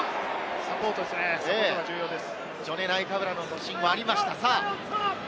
サポートが重要です。